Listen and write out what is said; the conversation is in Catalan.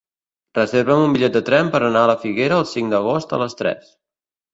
Reserva'm un bitllet de tren per anar a la Figuera el cinc d'agost a les tres.